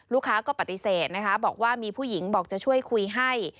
ลูกค้าก็ปฏิเสธนะคะบอกว่ามีผู้หญิงบอกจะช่วยคุยให้